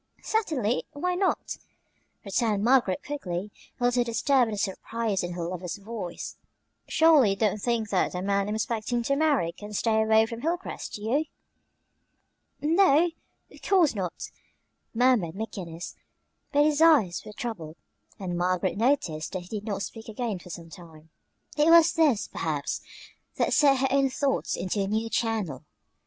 "Certainly; why not?" returned Margaret quickly, a little disturbed at the surprise in her lover's voice. "Surely you don't think that the man I'm expecting to marry can stay away from Hilcrest; do you?" "N no, of course not," murmured McGinnis; but his eyes were troubled, and Margaret noticed that he did not speak again for some time. It was this, perhaps, that set her own thoughts into a new channel.